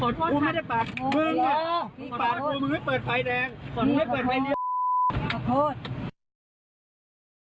ขอโทษขอโทษมึงไม่ได้เปิดไฟแดงขอโทษมึงไม่ได้เปิดไฟแดง